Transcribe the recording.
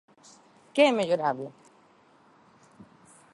¿Que é mellorable?